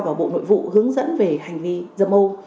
và bộ nội vụ hướng dẫn về hành vi dâm ô